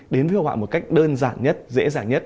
đến với hội họa một cách đơn giản nhất dễ dàng nhất